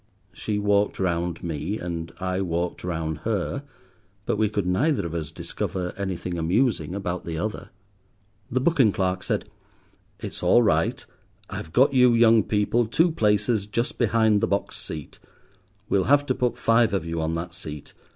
She walked round me, and I walked round her, but we could neither of us discover anything amusing about the other. The booking clerk said— "It's all right. I've got you young people two places just behind the box seat. We'll have to put five of you on that seat.